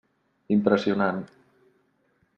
Impressionant.